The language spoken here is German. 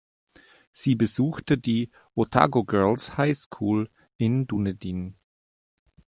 Sie besuchte die "Otago Girls’ High School" in Dunedin.